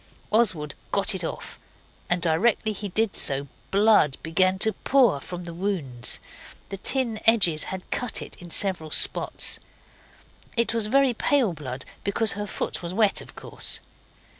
Oswald got it off, and directly he did so blood began to pour from the wounds. The tin edges had cut it in several spots. It was very pale blood, because her foot was wet, of course.